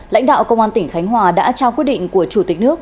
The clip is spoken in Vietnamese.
lãnh đạo công an tỉnh khánh hòa đã trao quyết định của chủ tịch nước